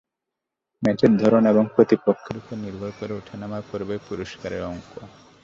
ম্যাচের ধরন এবং প্রতিপক্ষের ওপর নির্ভর করে ওঠানামা করবে পুরস্কারের অঙ্ক।